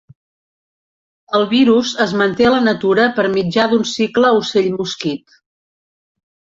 El virus es manté a la natura per mitjà d'un cicle ocell-mosquit.